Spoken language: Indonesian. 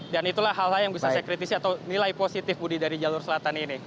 dan itulah hal hal yang bisa saya kritisi atau nilai positif budi dari jalur selatan ini